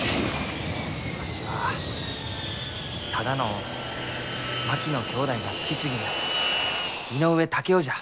わしはただの槙野きょうだいが好きすぎる井上竹雄じゃ。